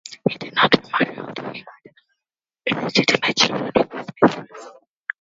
He did not remarry, although he had illegitimate children with his mistress.